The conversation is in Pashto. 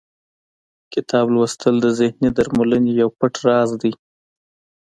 کتاب لوستل د ذهني درملنې یو پټ راز دی.